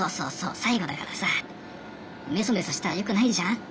最後だからさめそめそしたらよくないじゃん。